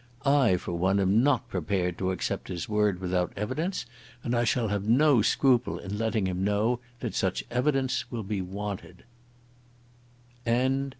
I for one am not prepared to accept his word without evidence, and I shall have no scruple in letting him know that such evidence will be wanted."